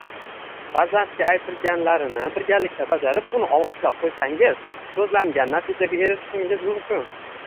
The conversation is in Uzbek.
Farzandga aytilganlarni birgalikda bajarib, uni olqishlab qo‘ysangiz, ko‘zlangan natijaga erishishingiz mumkin.